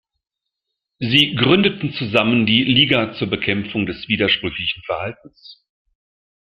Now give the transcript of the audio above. Sie gründeten zusammen die "Liga zur Bekämpfung des widersprüchlichen Verhaltens.